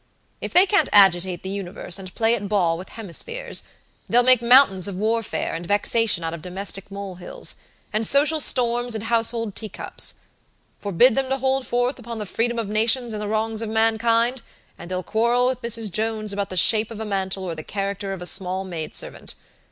If they can't agitate the universe and play at ball with hemispheres, they'll make mountains of warfare and vexation out of domestic molehills, and social storms in household teacups. Forbid them to hold forth upon the freedom of nations and the wrongs of mankind, and they'll quarrel with Mrs. Jones about the shape of a mantle or the character of a small maid servant.